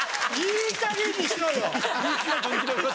いい加減にしろよ！